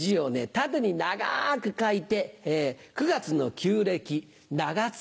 縦に長く書いて９月の旧暦長月。